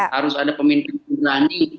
harus ada pemimpin berani